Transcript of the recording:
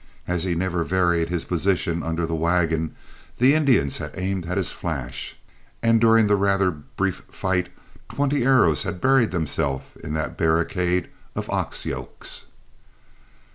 As he never varied his position under the wagon, the Indians had aimed at his flash, and during the rather brief fight twenty arrows had buried themselves in that barricade of ox yokes.